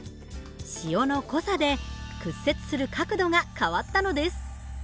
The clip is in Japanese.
塩の濃さで屈折する角度が変わったのです。